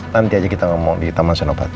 nanti aja kita ngomong di taman senopati